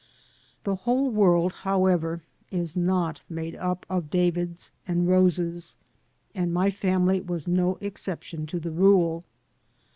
" The whole world, however, is not made up of Davids and Roses, and my family was no exception to the rule.